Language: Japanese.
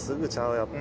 やっぱ。